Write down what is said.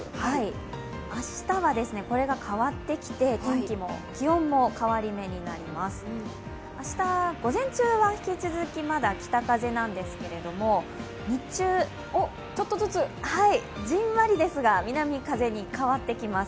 明日はですね、これが変わってきて天気も、気温も変わり目になります明日、午前中は引き続き、まだ北風なんですけど日中、じんわりですが南風に変わってきます。